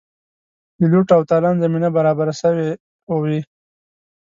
د لوټ او تالان زمینه برابره سوې وي.